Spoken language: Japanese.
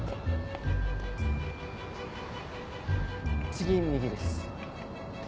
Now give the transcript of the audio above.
次右です。